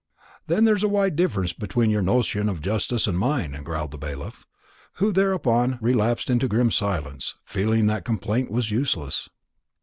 "Then there's a wide difference between your notion of justice and mine," growled the bailiff; who thereupon relapsed into grim silence, feeling that complaint was useless.